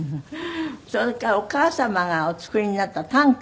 それからお母様がお作りになった短歌？